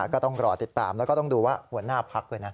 ก็ต้องรอติดตามแล้วก็ต้องดูว่าหัวหน้าพักด้วยนะ